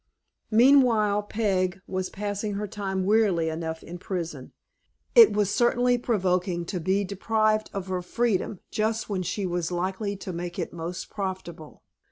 MEANWHILE, Peg was passing her time wearily enough in prison. It was certainly provoking to be deprived of her freedom just when she was likely to make it most profitable.